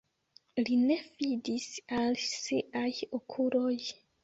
Li ne fidis al siaj okuloj.